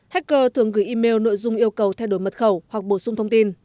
hacker thường gửi email nội dung yêu cầu thay đổi mật khẩu hoặc bổ sung thông tin